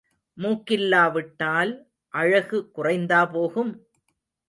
மூக்கில்லா விட்டால் அழகு குறைந்தா போகும்?